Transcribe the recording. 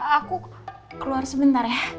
aku keluar sebentar ya